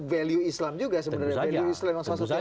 value islam juga sebenarnya value islam